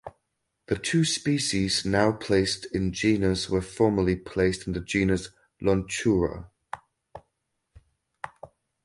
The two species now placed in genus were formerly placed in the genus "Lonchura".